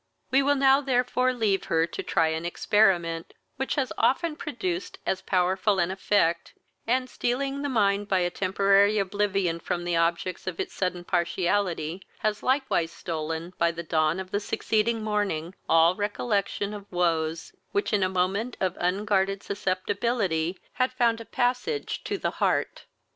We will now therefore leave her to try an experiment, which has often produced as powerful an effect, and, stealing the mind by a temporary oblivion from the objects of its sudden partiality, has likewise stolen, by the dawn of the succeeding morning, all recollection of woes, which, in a moment of unguarded susceptibility, had found a passage to the heart.